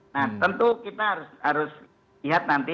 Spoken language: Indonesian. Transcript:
nah tentu kita harus lihat nanti